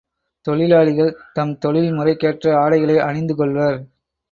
தொழிலாளிகள் தம் தொழில் முறைக்கேற்ற ஆடைகளை அணிந்து கொள்வர்.